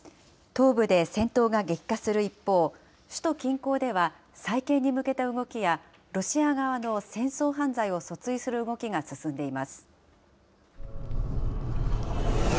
東部で戦闘が激化する一方、首都近郊では、再建に向けた動きや、ロシア側の戦争犯罪を訴追する動きが進んでいます。